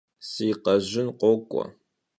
Si khejın khok'ue.